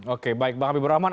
oke baik bang habibur rahman